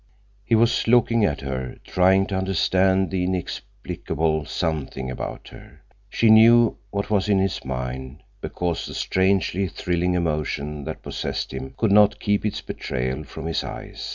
He was looking at her, trying to understand the inexplicable something about her. She knew what was in his mind, because the strangely thrilling emotion that possessed him could not keep its betrayal from his eyes.